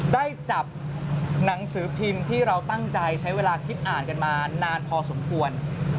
ได้จับหนังสือพิมพ์ที่เราตั้งใจใช้เวลาคิดอ่านกันมานานพอสมควร